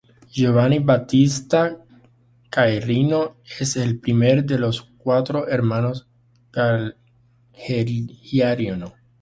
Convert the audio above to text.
Giovanni Battista Ceirano es el primero de los cuatro hermanos Ceirano.